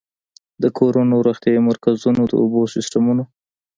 د کورونو، روغتيايي مرکزونو، د اوبو سيستمونو